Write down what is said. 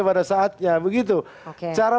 pada saatnya begitu cara